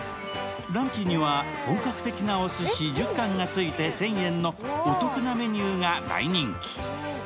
ランチには本格的なおすし１０貫がついて１０００円のお得なメニューが大人気。